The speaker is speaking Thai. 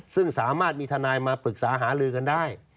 ซึ่งสามารถมีทนายมาปรึกษาหาลือกันได้